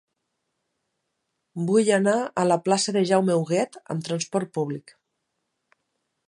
Vull anar a la plaça de Jaume Huguet amb trasport públic.